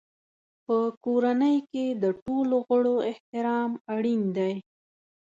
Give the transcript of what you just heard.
په کورنۍ کې د ټولو غړو احترام اړین دی.